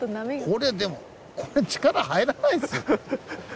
これでも力入らないです。